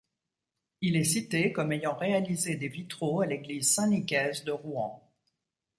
Il est cité comme ayant réalisé des vitraux à l'église Saint-Nicaise de Rouen.